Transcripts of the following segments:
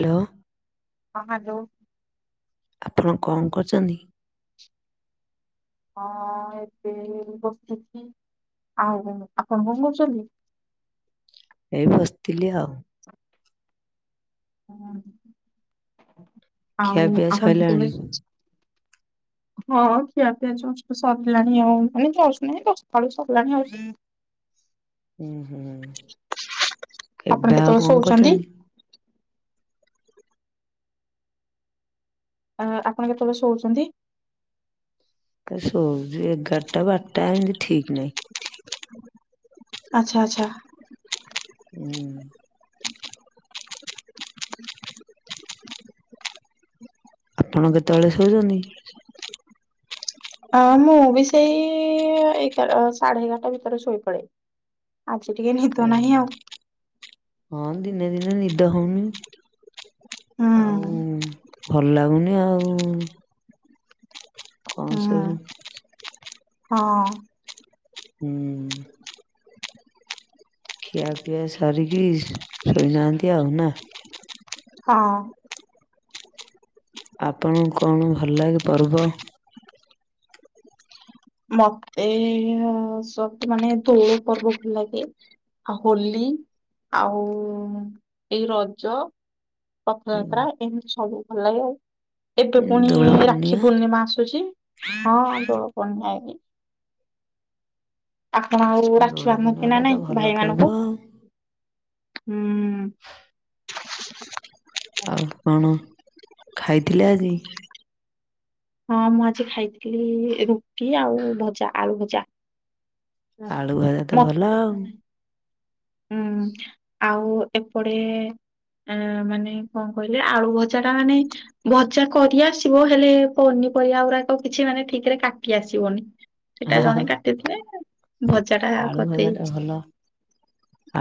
Hello. ହଁ hello. ଆପଣ କଣ କରୁଛନ୍ତି? ହଁ ଏବେ ବସିଛି ଆଉ ଆପଣ କଣ କରୁଛନ୍ତି? ଏଇ ବସିଥିଲି ଆଉ। ହଁ। ଖିଆ ପିଆ ଆପଣ କେତେବେଳେ ସଇଲାଣି? ହଁ ଖିଆ ପିଆ ସବୁ ସରିଲାଣି ଆଉ ଏଇ ଜଷ୍ଟ ନାଇଁ ଦଶଟା ବେଳୁସରିଲାଣି ଆଉ। ହୁଁ ହୁଁ ଆପଣ ଏବେ ଆଉ କେତେବେଳେ କଣ ଶୋଉଛନ୍ତି କରୁଛନ୍ତି? ଅ ଆପଣ କେତେବେଳେ ଶୋଉଛନ୍ତି? ଶୋଉଚି ଏଗାରଟା ବାରଟା ଏମିତି ଠିକ୍ ନାହିଁ। ଆଚ୍ଛା ଆଚ୍ଛା। ହୁଁ। ଆପଣ କେତେବେଳେ ଶୋଉଛନ୍ତି? ହଁ ମୁଁ ବି ସେଇ ଏଗାର ସାଢେ ଏଗାରଟା ଭିତରେ ଶୋଇ ପଡେ। ଆଜି ଟିକେ ହଁ। ନିଦ ନାହିଁ ଆଉ। ହଁ ଦିନେ ଦିନେ ନିଦ ହଉନି ହୁଁ ଆଉ ଭଲ ଲାଗୁନି ଆଉ। କଣ ଶୋଇବୁ ହଁ ହଁ। ହୁଁ। ଖିଆ ପିଆ ସାରିକି ଶୋଇନାହାନ୍ତି ଆଉ ନା? ହଁ। ଆପଣଙ୍କୁ କଣ ଭଲ ଲାଗେ ପର୍ବ? ମତେ ଅ ସବ ମାନେ ଦୋଳ ପର୍ବ ଭଲ ଲାଗେ। ଆଉ ହୋଲି ଆଉ ଏଇ ରଜ ରଥଯାତ୍ରା ଏମିତି ସବୁ ଭଲ ଆଉ। ଏବେ ପୁଣି ରାକ୍ଷୀ ପୂର୍ଣ୍ଣିମା ଆସୁଛି ହଁ ଦୋଳ ପୂର୍ଣ୍ଣିମାଇ। ଆପଣ ଆଉ ରାକ୍ଷୀ ଦୋଳ ପୂର୍ଣ୍ଣିମା ବାନ୍ଧନ୍ତି ନା ଟା ତ ନାଇଁ ଭଲ ଭାଇ ପର୍ବ ମାନଙ୍କୁ? ଆଉ। ହୁଁ। ଆଉ କଣ ଖାଇଥିଲେ ଆଜି? ହଁ ମୁଁ ଆଜି ଖାଇଥିଲି ରୁଟି ଆଉ ଭଜା ଆଳୁ ଭଜା। ଆଳୁ ଭ ମ ହୁଁ ଆଉ ଏପଟେ ଆ ମାନେ କଣ କହିଲେ ଆଳୁ ଭଜା ଟା ମାନେ ଭଜା କରି ଆସିବ ହେଲେ ପନିପରିବା ଗୁରାକ କିଛି ମାନେ ଠିକ ରେ କାଟି ଆସିବନି। ହେଟା ଜଣେ କାଟିଦିଏ। ଆଳୁ ଭଜାଟା ଭଲ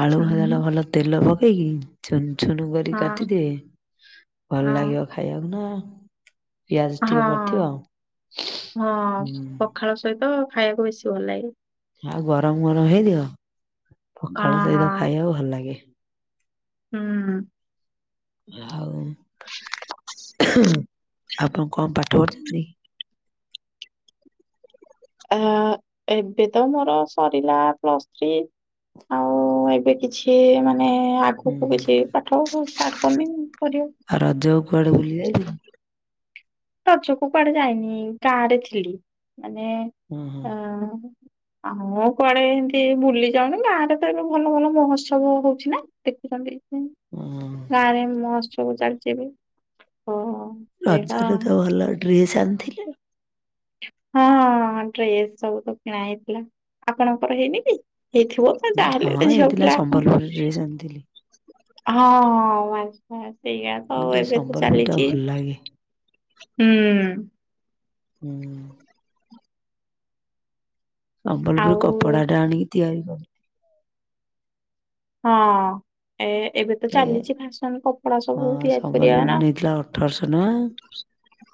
ଆଳୁ ଉଁ ଭଜାଟା ଭଲ। ତେଲ ପକେଇକି ଛୁନ ଛୁନୁ କରିକି ହଁ କାଟିଦିଏ ଭଲ ହଁ ଲାଗିବ। ଖାଇବାକୁ ନା। ପିଆଜ ହଁ ଟିକେ ପଡିଥିବ। ହଁ ହୁଁ ପଖାଳ ସହିତ ଖାଇବାକୁ ବେଶୀ ଭଲ ଲାଗେ। ଆଉ ଗରମ ଗରମ ହେଇଥିବ ହଁ ପଖାଳ ହଁ ସହିତ ଖାଇବାକୁ ଭଲ ଲାଗେ। ହୁଁ। ଆଉ ଆପଣ କ ପାଠ ପଢିଛନ୍ତି? ଆ ଏବେ ତ ମୋର ସରିଲା ପ୍ଲସ୍ ଥ୍ରୀ। ଆଉ ଏବେ କିଛି ମାନେ ହୁଁ ଆଗକୁ ହୁଁ। କିଛି ପାଠ ଷ୍ଟାର୍ଟ କରିନି। କରିବା। ଆଉ ରଜକୁ କୁଆଡେ ବୁଲି ଯାଇଥିଲ? ରଜ କୁ କୁଆଡେ ଯାଇନି ଗାଁ ରେ ଥିଲି ମାନେ ହୁଁ ହୁଁ। ଆ ଆଉ କୁଆଡେ ଏମତି ବୁଲି ଯାଉନି ଗାଁ ରେ ତ ଏବେ ଭଲ ଭଲ ମହୋତ୍ସବ ହଉଛି ନା। ଦେଖୁଛନ୍ତି ଏଥି ପାଇଁ। ହୁଁ। ଗାଁ ରେ ମହୋତ୍ସବ ଚାଲିଛି ବି ହୋ ହୋ। ରଜରେ ତ ଭଲ ଡ୍ରେସ୍ ଆଣିଥିଲେ। ହଁ ହଁ ଡ୍ରେସ୍ ସବୁ ତ କିଣା ହେଇଥିଲା ଆପଣଙ୍କର ହେଇନି କି ହେଇଥିବ। ହୁଁ, ଯା ହଁ ହେଲେବି ଝିଅ ଏଇଥିଲା ପିଲା ଆଉ ସମ୍ବଲପୁରୀ କଣ ଡ୍ରେସ୍ ଆଣିଥିଲି। ହଁ ହଁ ଆନି ହଁ ସେଇଆ ତ ମୁଁ ଟିକେ ଏବେ ତ ସମ୍ବଲପୁରୀ ଟା ଚାଲିଛି ଭଲ ଲାଗେ। ହୁଁ। ହୁଁ। ସମ୍ବଲପୁରୀ ଆଉ କପଡାଟା ଆଣିକି ତିଆରି କରୁ ହଁ। ଏ ଏବେ ତ କରିଥିଲେ। ଚାଲିଛି ଫ୍ୟାସନ କପଡା ସବୁ ହଁ ତିଆରି କରିବା ସମ୍ବଲପୁରୀ ଆଣ ନେଇଥିଲା ଅଠରଶହ ଟଙ୍କା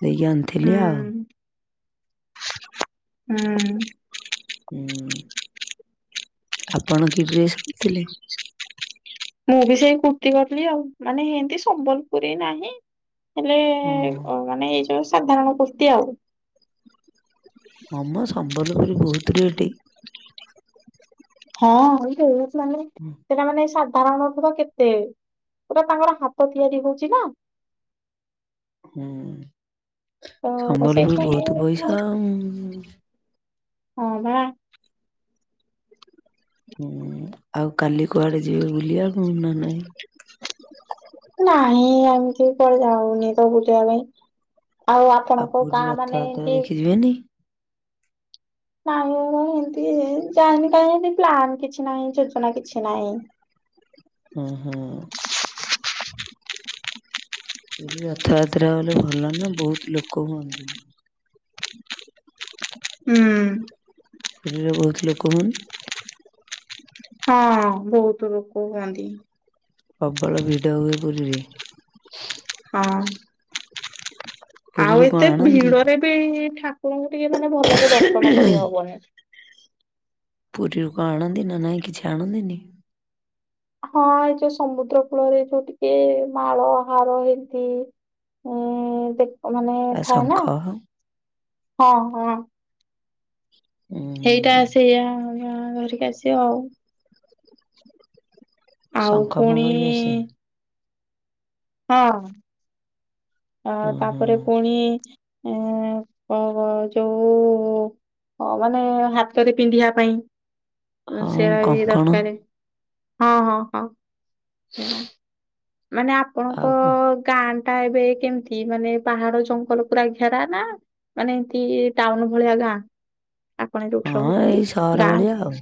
ଦେଇକି ଆଣିଥିଲି ଆଉ। ହୁଁ। ହୁଁ ଆପଣ କି ଡ୍ରେସ କରିଥିଲେ? ମୁଁ ବି ସେଇ କୁର୍ତ୍ତିୀ କଲି ଆଉ ମାନେ ହେତି ସମ୍ବଲପୁରୀ ନାହିଁ ହେଲେ ହଁ ମାନେ ଏଇ ଯୋଉ ସାଧାରଣ କୁର୍ତି ଆଉ। ହମ ସମ୍ବଲପୁରୀ ବହୁତ ରେଟ। ହଁ ବୋହୁତ୍ ମାନେ ହୁଁ। ସେଟା ମାନେ ସାଧାରଣତଃ ତ କେତେ ପୁରା ତାଙ୍କର ହାତ ତିଆରି ହଉଛି ନା। ହୁଁ ତ ସମ୍ବଲପୁର ବହୁତ ସେଇଥିପାଇଁ ପଇସା ହୁଁ ହଁ ବା। ହୁଁ ଆଉ କାଲି କୁଆଡେ ଯିବେ ବୁଲିଆ କୁ ନା ନାଇଁ। ନାଇ ଆମେ କେହି କୁଆଡେ ଯାଉନି ତ ବୁଲିବା ପାଇଁ। ଆଉ ଆପଣଙ୍କ ପୁରୀ ଗାଁ ମାନେ ରଥଯାତ୍ରା ଏମତି ଦେଖି ଯିବେନି? ନାଇଁ [unintelligible] ଏମତି ଯାଏନି କାହିଁ ଏମତି ପ୍ଲାନ କିଛି ନାଇଁ ଯୋଜନା କିଛି ନାଇଁ। ହୁଁ ହୁଁ। କହିଲି ରଥଯାତ୍ରା ଗଲେ ଭଲ ନା ବହୁତ ଲୋକ ହୁଅନ୍ତି। ହୁଁ ହୁଁ। ପୁରୀରେ ବହୁତ ଲୋକ ହୁଅନ୍। ହଁ ହଁ ବହୁତ ଲୋକ ହୁଅନ୍ତି। ପ୍ରବଳ ଭିଡ ହୁଏ ପୁରୀରେ। ହଁ। ଆଉ ପୁରୀରୁ କଣ ଏତେ ଆଣନ୍ତି? ଭିଡରେ ବି ଠାକୁରଙ୍କୁ ଟିକେ ମାନେ ଭଲରେ ଦର୍ଶନ କରି ହବନି। ପୁରୀରୁ କଣ ଆଣନ୍ତି ନା ନାଇଁ କିଛି ଆଣନ୍ତିନି? ହଁ ଏ ଯୋଉ ସମୁଦ୍ର କୂଳରେ ଯୋଉ ଟିକେ ମାଳ ହାର ଏମତି ହୁଁ ଦେଖ୍ ମାନେ ଆଉ ଥାଏ ଶଙ୍ଖ ନା। ଉଁ ହୁଁ। ଏଇଟା ସେଇଆ ଆ ଧରିକି ଆସିବ ଆଉ। ଆଉ ଶଙ୍ଖ ଫଙ୍ଖ ଫୁଣି ବି ଆସେ। ହଁ। ଅ ଉଁ ହୁଁ ତାପରେ ପୁଣି [inaudible] ଅ ହୋ ଯୋଉ ଅ ମାନେ ହାତରେ ପିନ୍ଧିବା ପାଇଁ ହଁ ସେରା ବି କଙ୍କଣ ଦରକାର। ମାନେ ଆପଣଙ୍କ ଆଉ କଣ? ଗାଁ ଟା ଏବେ କେମତି ମାନେ ପାହାଡ ଜଙ୍ଗଲ ପୁରା ଘେରା ନା ମାନେ ଏମତି ଟାଉନ ଭଳିଆ ଗାଁ। ଆପଣ ଏ ଯୋଉଠି ହଁ ରହୁଚନ୍ତି ଏଇ ସହର ଗାଁ। ଭଳିଆ ଆଉ।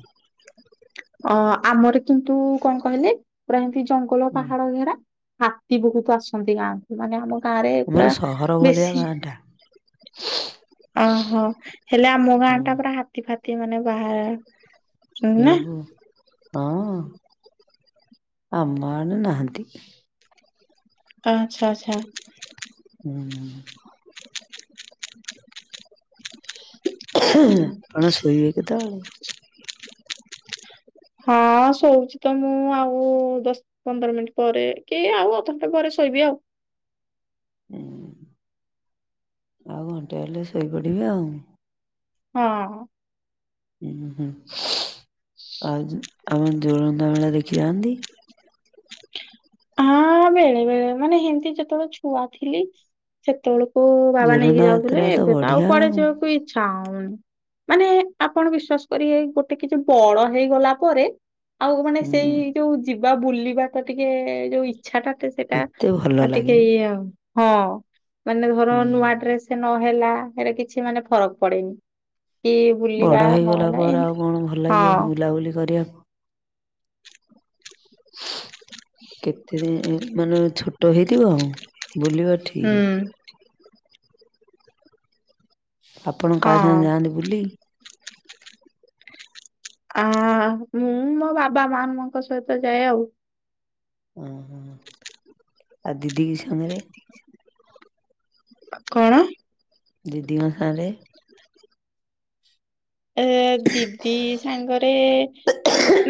ଅ ଆମର କିନ୍ତୁ କଣ କହିଲେ ପୁରା ଏମତି ଜଙ୍ଗଲ ହୁଁ ପାହାଡ ଘେରା। ହାତୀ ବହୁତ ଆସନ୍ତି ଗାଁ କୁ ମାନେ ଆମ ଗାଁ ରେ ପୁରା ଆମର ସହର ଭଳିଆ ବେଶୀ। ଗାଁ ଟା। ଅ ହୋ ହେଲେ ଆମ ଗାଁ ହୁଁ ଟା ପୁରା ହା ତୀ ଫାତି ମାନେ ବାହା ହେ ବୋଉ ହଁ ଆମ ଆଡେ ନାହାଁନ୍ତି। ଆଚ୍ଛା ଆଚ୍ଛା। ହୁଁ ହୁଁ। ଆପଣ ଶୋଇବେ କେତବଳେ? ହଁ ଶୋଉଚି ତ ମୁଁ ଆଉ ଦସ୍ ପନ୍ଦର ମିନିଟ୍ ପରେ କି ଆଉ ଅଧଘଣ୍ଟା ପରେ ଶୋଇବି ଆଉ। ହୁଁ ଆଉ ଘଣ୍ଟେ ହେଲେ ଶୋଇପଡିବି ଆଉ। ହଁ। ହୁଁଁ ହୁଁ ଆଉ ଯୋ ଆମ ଜୋଳନ୍ଦା ମେଳା ଦେଖି ଯାଆନ୍ତି? ହଁ ହଁ ବେଳେ ବେଳେ ମାନେ ହେମତି ଯେତବଳେ ଛୁଆ ଥିଲି ସେତବଳେ। ଓ ହୋ ବାବା ନେଇକି ଜୋରନ୍ଦା ଯାଉଥିଲେ ଯାତ୍ରା ଏବେ ତ ଆଉ ବଢିଆ କୁଆଡେ ଯିବାକୁ ଇ ଚ୍ଛା ମାନେ ଆପଣ ବିଶ୍ୱାସ କରିବେ ଗୋଟେ କିଛି ବଳ ହେଇଗଲା ପରେ ଆଉ ମାନେ ହୁଁ ସେଇ ଯୋଉ ଯିବା ବୁଲିବା ତ ଟିକେ ଯୋଉ ଇଚ୍ଛା ଟା ଟି ସେଇଟା ଏତେ ଭଲ ଆ ଟିକେ ଲାଗେନି ଇଏ ଆଉ। ହଁ ମାନେ ଧର ହୁଁ। ନୂଆ ଡ୍ରେସ୍ ନହେଲା ଏଇଟା କିଛି ମାନେ ଫରକ ପଡେନି। କି ବଡ ବୁଲିବା ହେଇଗଲା ନହେଲ ନାଇଁ ପରେ ଆଉ କଣ ଭଲ ଲାଗିବ ହଁ। ବୁଲାବୁଲି କରିବାକୁ। କେତେ ଦେ ମାନେ ଛୋଟ ହେଇଥିବ ବୁଲିବ ହୁଁ ଠିକ୍। ଆପଣ କାହା ସାଙ୍ଗେ ହଁ। ଯାଆନ୍ତି ବୁଲି। ଆ ମୁଁ ମୋ ବାବା ମାମଙ୍କ ସହିତ ଯାଏ ଆଉ। ଓହୋ ଆଉ ଦିଦି କି ସାଙ୍ଗରେ। କଣ? ଦିଦି ଙ୍କ ସାଙ୍ଗରେ ଏ ଦିଦି ସାଙ୍ଗରେ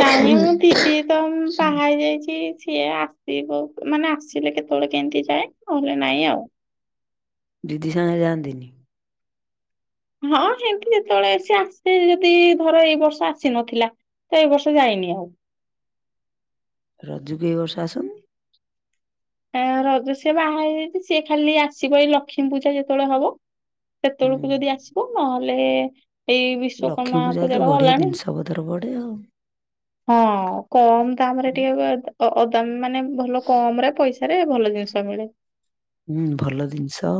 ନାହିଁ ମୁଁ ଦି ସିଏ ତ ବାହା ହେଇ ଯାଇଛି ସିଏ ଆସିବ ମାନେ ଆସିଲେ କେତେବେଳେ କେମତି ଯାଏ। ନାଇଁ ଆଉ। ଦିଦି ସାଙ୍ଗରେ ଯାଆନ୍ତିନି। ହଁ ସେମତି ଯେତେବେଳେ ସିଏ ଆସେ ଯଦି ଧର ଏଇ ବର୍ଷ ଆସିନଥିଲା। ତ ଏଇ ବର୍ଷ ଯାଇନି ଆଉ। ରଜୁ କି ବର୍ଷ ଆସନି ଆ ରଜ ସେ ବାହା ହେଇଯାଇଛି ସିଏ ଖାଲି ଆସିବ ଏଇ ଲକ୍ଷ୍ମୀ ପୂଜା ଯେତେବେଳେ ହବ। ସେତେବେଳକୁ ଯଦି ହୁଁ। ଆସିବ ନହେଲେ ଏଇ ଲକ୍ଷ୍ମୀ ବିଶ୍ଵକର୍ମା ପୂଜାରେ ତ ପୂଜା ବଢିଆ ଗଲାଣି। ଜିନିଷ ପତ୍ର ପଡେ ଆଉ। ହଁ କମ୍ ଦାମ୍ ରେ ଟିକେ ଏବେ ଅ ଅ ଦାମ ମାନେ ଭଲ କମ୍ ରେ ପଇସାରେ ଭଲ ଜିନିଷ ମିଳେ। ହୁଁ ଭଲ ଜିନିଷ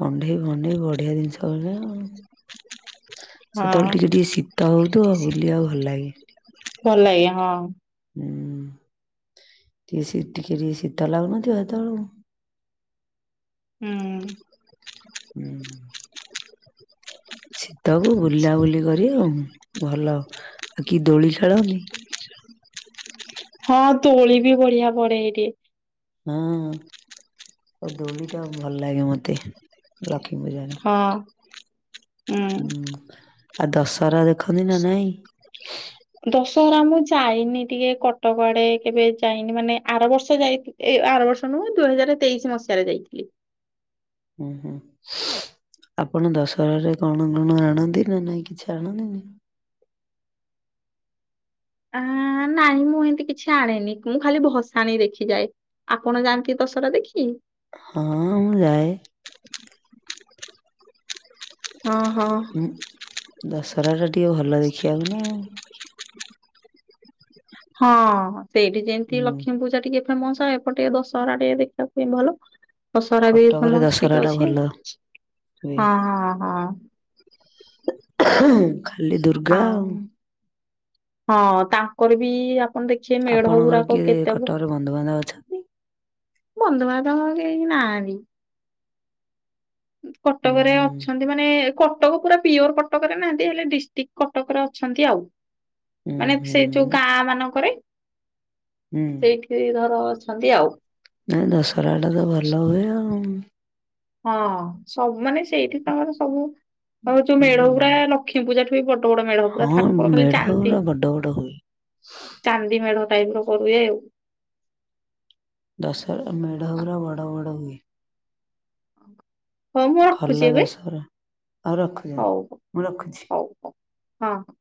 କଣ୍ଢେଇ ଭଣ୍ଢେଇ ବଢିଆ ଜିନିଷ [unintelligible] ହଁ ସେତେବେଳେ ଟିକେ ଟିକେ ଶୀତ ହଉ ଥିବ ବୁଲିଆକୁ ଭଲ ଲାଗେ। ଭଲ ଲାଗେ ହଁ। ଉଁ କି ସି ଟିକେ ଟିକେ ଶୀତ ଲଗୁନଥିବ ସେତେବେଳକୁ ହୁଁ। ହୁଁ। ଶୀତକୁ ବୁଲାବୁଲି କରି ଆଉ ଭଲ ଆଉ କି ଦୋଳି ଖେଳନି। ହଁ ତୋଳି ବି ବଢିଆ ପଡେ ଏଇଠି। ହଁ ଦୋଳି ଟା ଭଲ ଲାଗେ ମତେ ଲକ୍ଷ୍ମୀ ପୂଜାରେ। ହଁ। ଉଁ ହୁଁ ଆଉ ଦଶହରା ଦେଖନ୍ତି ନା ନାଇଁ। ଦଶହରା ମୁଁ ଯାଇନି ଟିକେ କଟକ ଆଡେ କେବେ ଯାଇନି ମାନେ ଆର ବର୍ଷ ଯାଇଥି ଏଇ ଆର ବର୍ଷ ନୁହଁ ଦୁଇ ହଜାର ତେଇଶି ମସିହାରେ ଯାଇଥିଲି। ଉଁ ହୁଁ। ଆପଣ ଦଶହାରେ କଣ କଣ ଆଣନ୍ତି ନା ନାଇଁ କିଛି ଆଣନ୍ତିନି। ଆ ନାଇଁ ମୁଁ ଏମିତି କିଛି ଆଣେନି ମୁଁ ଖାଲି ଭସାଣି ଦେଖିଯାଏ। ଆପଣ ଯାଆନ୍ତି ଦଶହରା ଦେଖି? ହଁ ମୁଁ ଯାଏ। ହଁ ହଁ। ଦଶହରା ଟା ଟିକେ ଭଲ ଦେଖିବାକୁ ନା ଆଉ। ହଁ ସେଇଠି ଯେମତି ହୁଁ ଲକ୍ଷ୍ମୀ ପୂଜା ଟିକେ ଫେମସ ଏପଟ ଟିକେ ଦଶହରା ଟିକେ ଦେଖିବାକୁ ପାଇଁ ଭଲ ଦଶହରା ବି କଟକରେ ଫେମସ୍ ଦଶହରା ଟିକେ ଟା ଅଛି, ଭଲ ହୁଏ। ହଁ ହଁ ହଁ। ଖାଲି ଦୁର୍ଗା ଆଉ। ହଁ ତାଙ୍କର ବି ଆପଣ ଦେଖିବେ ମେଢ ଆପଣଙ୍କର ଗୁଡାକ କିଏ କେତେବ କଟକରେ ବନ୍ଧୁବାନ୍ଧବ ଅଛନ୍ତି? ବନ୍ଧୁବାନ୍ଧବ କେହି ନାହାନ୍ତି। ଉଁ କଟକରେ ହୁଁ ଅଛନ୍ ମାନେ କଟକ ପୁରା ପିଓର କଟକରେ ନାହାନ୍ତି ହେଲେ ଡିଷ୍ଟ୍ରିକ୍ଟ କଟକରେ ଅଛନ୍ତି ଆଉ। ଉଁ ମାନେ ହୁଁ ସେଇ ଯୋଉ ଗାଁ ମାନଙ୍କରେ ହୁଁ ସେଇଠି ଧର ଅଛନ୍ତି ଆଉ। ନାଇଁ ଦଶହରାଟା ତ ଭଲ ହୁଏ ଆଉ। ହଁ ସବୁ ମାନେ ସେଇଠି ତମର ସବୁ ଆମେ ଯୋଉ ହୁଁ ମେଢ ଗୁରା ଲକ୍ଷ୍ମୀ ପୂଜା ଠୁ ବି ବଡ ବଡ ମେଢ ପୁରା ହଁ ଠାକୁର ଖାଲି ମେଢ ଯାଆନ୍ତି ଗୁରା ବଡ ବଡ ହୁଏ। ଚାନ୍ଦି ମେଢ ଟାଇପ ର କରୁ ଏ ଆଉ। ଦଶରା ମେଢ ଆଉ। ଗୁରା ବଡ ବଡ ହୁଏ। ହୋଉ ମୁଁ ଭଲ ରଖୁଛି ଏବେ ଦଶହରା। ଆଉ ରଖୁଛି ମୁଁ ରଖୁଛି ହଁ।